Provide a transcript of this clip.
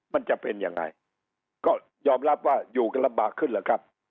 มันจะเป็นยังไงก็ยอมรับว่าอยู่กันลำบากขึ้นเหรอครับ